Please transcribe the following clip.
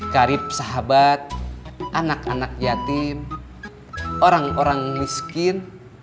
karib sahabat anak anak yatim orang orang miskin